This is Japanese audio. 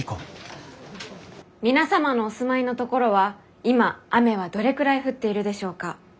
皆様のお住まいの所は今雨はどれくらい降っているでしょうか？